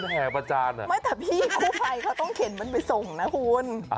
ไม่แต่พี่กุภัยเขาต้องเข็นมันไปส่งนะคุณ